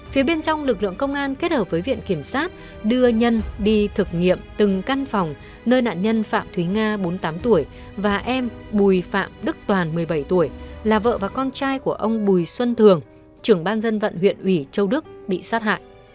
phía bên trong lực lượng công an kết hợp với viện kiểm sát đưa nhân đi thực nghiệm từng căn phòng nơi nạn nhân phạm thúy nga bốn mươi tám tuổi và em bùi phạm đức toàn một mươi bảy tuổi là vợ và con trai của ông bùi xuân thường trưởng ban dân vận huyện ủy châu đức bị sát hại